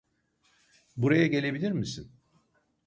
Buraya gelebilir misin?